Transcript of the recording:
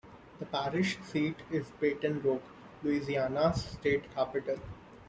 The parish seat is Baton Rouge, Louisiana's state capital.